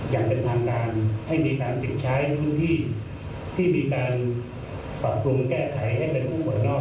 อย่างเป็นทางการให้มีการปิดใช้ในพื้นที่ที่มีการปรับปรุงแก้ไขให้เป็นผู้ป่วยนอก